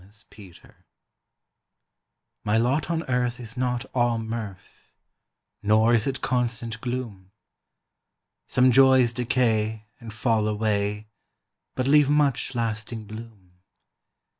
MY LOT My lot on earth is not all mirth, Nor is it constant gloom; Some joys decay and fall away, But leave much lasting bloom.